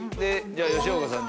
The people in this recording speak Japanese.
吉岡さん